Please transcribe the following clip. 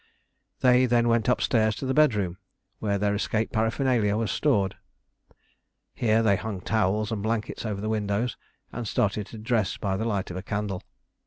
They then went upstairs to the bedroom, where their escape paraphernalia was stored. Here they hung towels and blankets over the windows, and started to dress by the light of a candle.